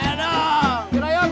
leda leda leda kalapa